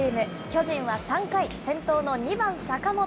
巨人は３回、先頭の２番坂本。